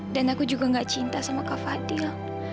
dan aku juga gak cinta sama kak fadil